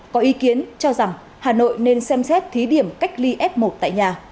có ý kiến cho rằng hà nội nên xem xét thí điểm cách ly f một tại nhà